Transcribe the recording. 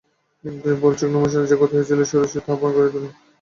কিন্তু, এই ভুলচুক নৈমিষারণ্যের যে ক্ষতি হইতেছিল ষোড়শী তাহা পূরণ করিয়া দিল।